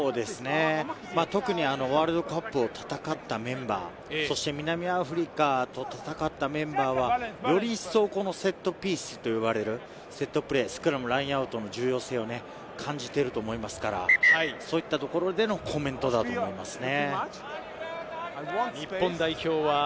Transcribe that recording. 特にワールドカップを戦ったメンバー、そして南アフリカと戦ったメンバーは、より一層このセットピースといわれるセットプレー、スクラム、ラインアウトの重要性を感じていると思いますから、そういったところでのコメントだと思いますね。